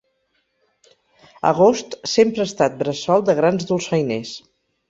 Agost sempre ha estat bressol de grans dolçainers.